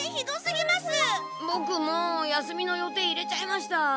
ボクもう休みの予定入れちゃいました。